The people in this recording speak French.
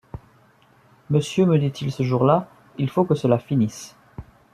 Monsieur, me dit-il ce jour-là, il faut que cela finisse.